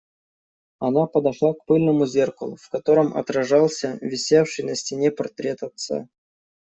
Она подошла к пыльному зеркалу, в котором отражался висевший на стене портрет отца.